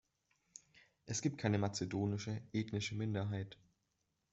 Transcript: Es gibt keine mazedonische ethnische Minderheit.